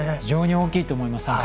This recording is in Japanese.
非常に大きいと思います。